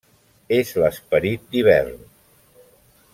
És l'esperit d'hivern.